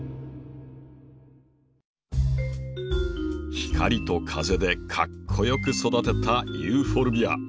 光と風でかっこよく育てたユーフォルビア。